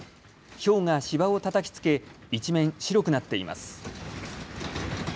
ひょうが芝をたたきつけ一面、白くなっています。